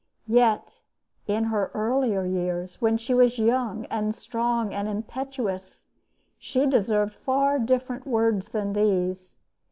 Yet, in her earlier years, when she was young and strong and impetuous, she deserved far different words than these.